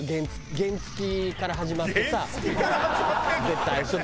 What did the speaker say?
原付きから始まってるの？